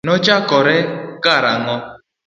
Nochakore karang'o?